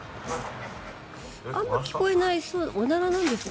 あまり聞こえないおならなんですか？